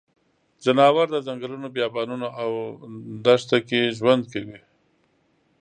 ځناور د ځنګلونو، بیابانونو او دښته کې ژوند کوي.